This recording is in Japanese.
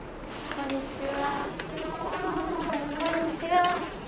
こんにちは。